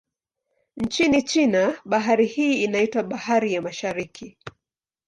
Nchini China, bahari hii inaitwa Bahari ya Mashariki.